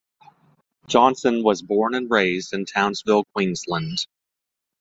Johnson was born and raised in Townsville, Queensland.